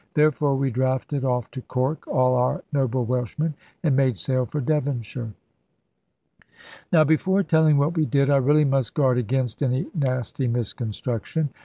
Therefore we drafted off to Cork all our noble Welshmen, and made sail for Devonshire. Now, before telling what we did, I really must guard against any nasty misconstruction.